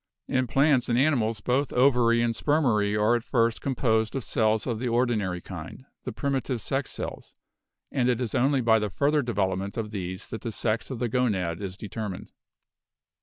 In plants and animals both ovary and spermary are at first composed of cells of the ordinary kind, the primitive sex cells, and it is only by the further development of these that the sex of the gonad is determined.